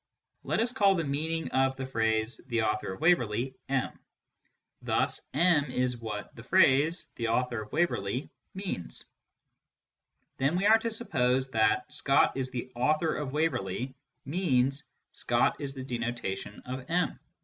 Let us call the meaning of " the author of Waverley " M. Thus M is what " the author of Waverley " means. Then we are to suppose that " Scott is the author of Waverley " means " Scott is the denotation of M."